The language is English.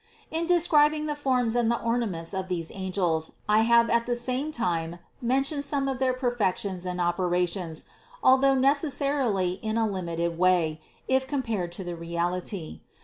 374. In describing the forms and the ornaments of these angels I have at the same time mentioned some of their perfections and operations, although necessarily in a limited way, if compared to the reality.